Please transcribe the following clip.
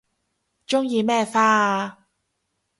鍾意咩花啊